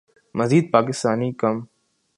مزید پاکستانی کم